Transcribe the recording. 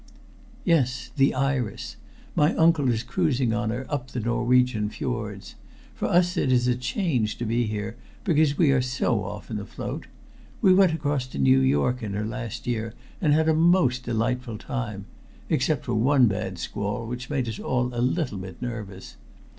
"Yes. The Iris. My uncle is cruising on her up the Norwegian Fiords. For us it is a change to be here, because we are so often afloat. We went across to New York in her last year and had a most delightful time except for one bad squall which made us all a little bit nervous.